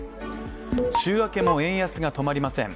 週明けも円安が止まりません。